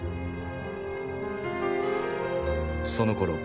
そのころ